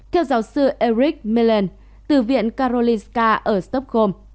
theo giáo sư eric millen từ viện karolinska ở stockholm